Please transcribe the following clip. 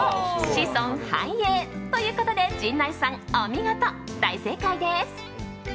子孫繁栄。ということで陣内さんお見事、大正解です！